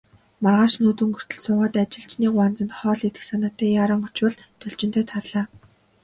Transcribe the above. Маргааш нь үд өнгөртөл суугаад, ажилчны гуанзанд хоол идэх санаатай яаран очвол Должинтой тааралдлаа.